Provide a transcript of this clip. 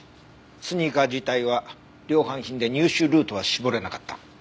スニーカー自体は量販品で入手ルートは絞れなかった。